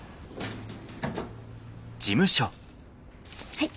はい。